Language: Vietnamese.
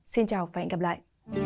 xin chào và hẹn gặp lại